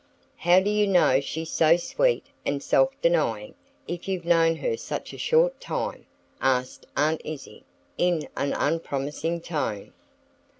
"How do you know she's so sweet and self denying, if you've known her such a short time?" asked Aunt Izzie, in an unpromising tone.